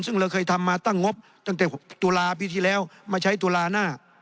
ซึ่งเราเคยทำมาตั้งงบตั้งแต่ตุลาปีที่แล้วมาใช้ตุลาหน้า